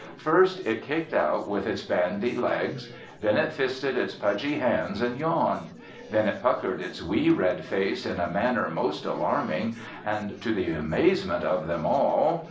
First it kicked out with its bandy legs. Then it fisted its pudgy hands and yawned. Then it puckered its wee red face in a manner most alarming and, to the amazement of them all....